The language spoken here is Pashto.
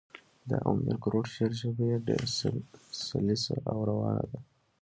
د امیر کروړ شعر ژبه ئي ډېره سلیسه او روانه ده.